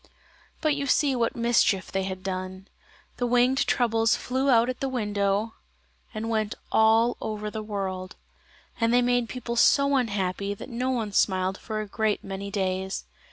But you see what mischief they had done. The winged troubles flew out at the window and went all over the world: and they made people so unhappy that no one smiled for a great many days.